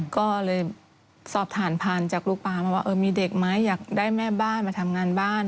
ก็เลยสอบถามผ่านจากลูกปลามาว่ามีเด็กไหมอยากได้แม่บ้านมาทำงานบ้าน